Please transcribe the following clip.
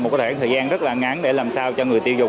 một cái khoảng thời gian rất là ngắn để làm sao cho người tiêu dùng